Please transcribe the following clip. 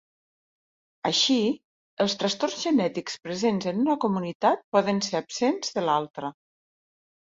Així, els trastorns genètics presents en una comunitat poden ser absents de l'altra.